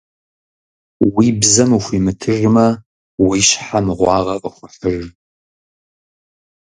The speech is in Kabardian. Уи бзэм ухуимытыжмэ, уи щхьэ мыгъуагъэ къыхуэхьыж.